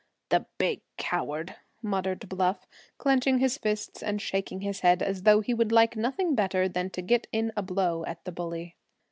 "The big coward!" muttered Bluff, clenching his fists and shaking his head, as though he would like nothing better than to get in a blow at the bully.